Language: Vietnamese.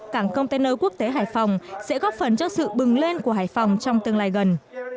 cảng container quốc tế hải phòng sẽ góp phần cho sự bừng lên của hải phòng trong tương lai gần